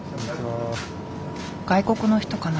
外国の人かな？